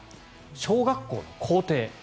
小学校の校庭。